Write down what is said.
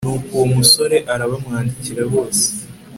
nuko uwo musore arabamwandikira bose